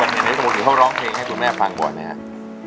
วันไหนที่เขาร้องเพลงให้คุณแม่ฟังบ่อยนะครับ